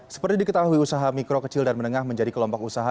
seperti diketahui usaha mikro kecil dan menengah menjadi kelompok usaha